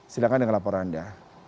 silahkan dengan laporan anda